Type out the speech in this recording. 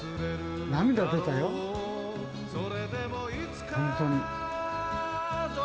涙出たよ、本当に。